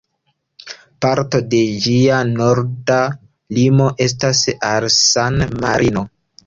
Parto de ĝia norda limo estas al San-Marino.